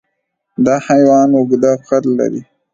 دا حیوان اوږده قد لري.